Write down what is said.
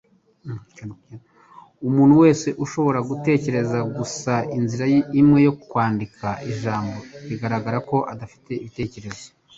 Umuntu wese ushobora gutekereza gusa inzira imwe yo kwandika ijambo biragaragara ko adafite ibitekerezo.